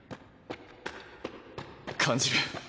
感じる。